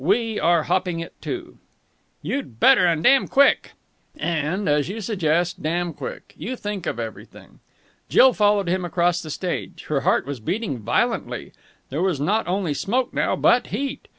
We are hopping it, too." "You'd better! And damn quick!" "And, as you suggest, damn quick. You think of everything!" Jill followed him across the stage. Her heart was beating violently. There was not only smoke now, but heat.